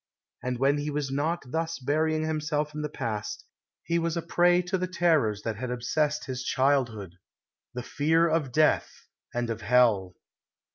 And when he was not thus burying himself in the past, he was a prey to the terrors that had obsessed his childhood the fear of death and of hell.